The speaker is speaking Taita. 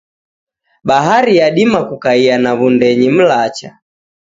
Bahari yadima kukaia na wundenyi mlacha.